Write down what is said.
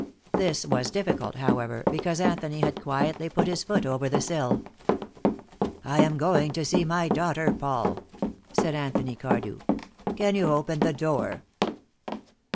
This was difficult, however, because Anthony had quietly put his foot over the sill. "I am going to see my daughter, Paul," said Anthony Cardew. "Can you open the door?"